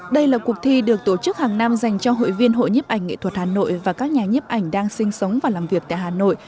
đây là cuộc thi được tổ chức hàng năm dành cho hội viên hội nhiếp ảnh nghệ thuật hà nội và các nhà nhiếp ảnh đang sinh sống và làm việc tại hà nội